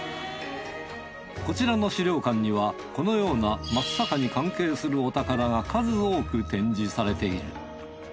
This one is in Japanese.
こちらの資料館にはこのような松阪に関係するお宝が数多く展示されている。